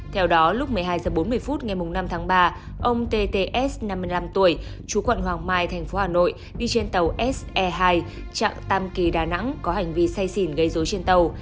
theo đó lúc một mươi hai h bốn mươi phút ngày năm tháng ba ông tts năm mươi năm tuổi chú quận hoàng mai thành phố hà nội đi trên tàu se hai chặng tam kỳ đà nẵng có hành vi say xỉn gây dối trên tàu